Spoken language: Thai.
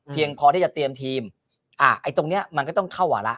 เพียงพอที่จะเตรียมทีมอ่ะไอ้ตรงเนี่ยมันก็ต้องเข้าหวัดละ